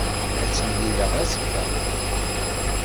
Ad t-mlileɣ azekka.